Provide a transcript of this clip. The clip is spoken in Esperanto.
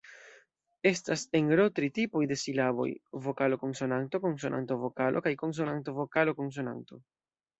Estas en Ro tri tipoj de silaboj: vokalo-konsonanto, konsonanto-vokalo kaj konsonanto-vokalo-konsonanto.